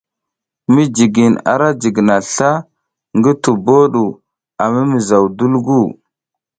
Mijigin ara jigina sla ngi tubo ɗu a mimizaw dulgu.